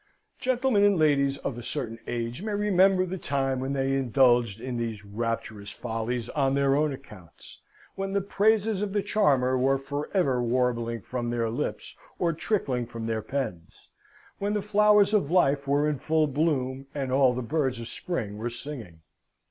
Gentlemen and ladies of a certain age may remember the time when they indulged in these rapturous follies on their own accounts; when the praises of the charmer were for ever warbling from their lips or trickling from their pens; when the flowers of life were in full bloom, and all the birds of spring were singing.